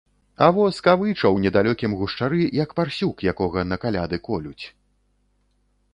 А во скавыча ў недалёкім гушчары, як парсюк, якога на каляды колюць.